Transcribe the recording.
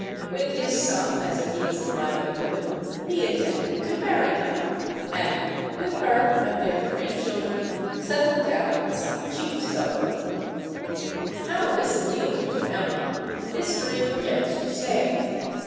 With his sum as a means of livelihood, he intended to marry Emma, and, with her and their three children, settle down in some cheap suburb. How this appealed to Emma history forgets to say.